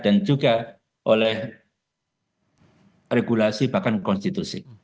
dan juga oleh regulasi bahkan konstitusi